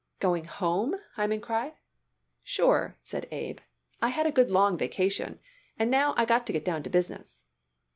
"Going home?" Hyman cried. "Sure," said Abe. "I had a good long vacation, and now I got to get down to business."